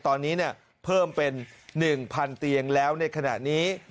ตอนนี้เพิ่มเป็น๑๐๐๐เตียงแล้วในขณะนี้